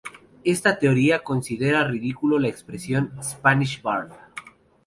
Esta teoría considera ridículo la expresión "Spanish Barb".